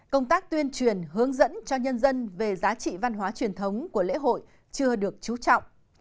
công tác tuyên truyền hướng dẫn cho nhân dân về giá trị văn hóa truyền thống của lễ hội chưa được trú trọng